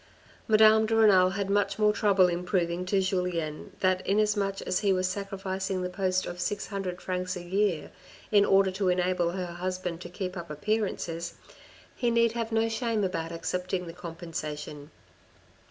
Madame de Renal had much more trouble in proving to Julien that inasmuch as he was sacrificing the post of six hundred francs a year in order to enable her husband to keep up appearances, he need have no shame about accepting the compensation.